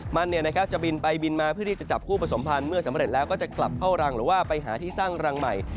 มันจะบินไปบินมาเพื่อที่จะจับคู่ผสมพันธ์เมื่อสำเร็จแล้วก็จะกลับเข้ารังหรือว่าไปหาที่สร้างรังใหม่